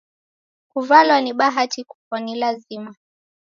Kuvalwa ni bahati kufwa ni lazima.